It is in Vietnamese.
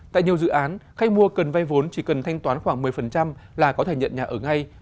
tại nhiều dự án khách mua cần vay vốn chỉ cần thanh toán khoảng một mươi là có thể nhận nhà ở ngay